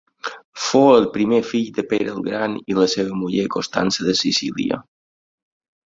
Fou el primer fill de Pere el Gran i la seva muller Constança de Sicília.